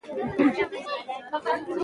بادرنګ په لسي او په پنجي